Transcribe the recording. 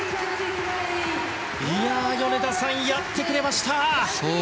米田さん、やってくれました！